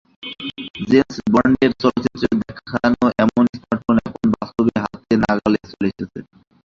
James বন্ডের চলচ্চিত্রে দেখানো এমন স্মার্টফোন এখন বাস্তবেই হাতের নাগালে চলে এসেছে।